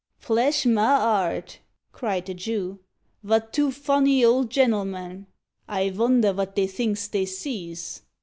"Plesh ma 'art," cried the Jew, "vat two funny old genelmen. I vonder vat they thinks they sees?"